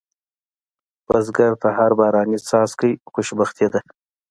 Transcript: بزګر ته هر باراني څاڅکی خوشبختي ده